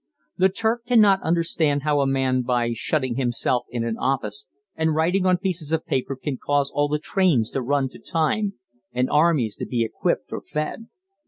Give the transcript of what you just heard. The Turk cannot understand how a man by shutting himself in an office and writing on pieces of paper can cause all the trains to run to time and armies to be equipped or fed.